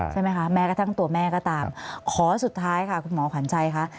ใช่ไหมคะแม้กระทั่งตัวแม่ก็ตามขอสุดท้ายค่ะคุณหมอขวัญชัยค่ะ